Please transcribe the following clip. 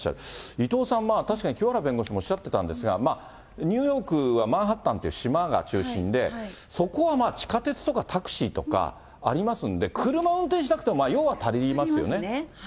伊藤さん、確かに清原弁護士もおっしゃってたんですが、ニューヨークはマンハッタンという島が中心で、そこはまあ地下鉄とかタクシーとかありますんで、車を運転しなく足りますね。